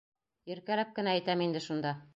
Иркәләп кенә әйтәм инде шунда.